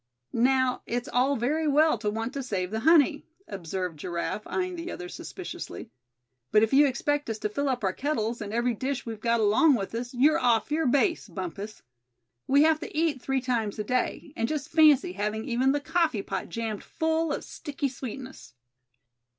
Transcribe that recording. "Now, its all very well to want to save the honey," observed Giraffe, eying the other suspiciously; "but if you expect us to fill up our kettles, and every dish we've got along with us, you're off your base, Bumpus. We have to eat three times a day; and just fancy having even the coffee pot jammed full of sticky sweetness."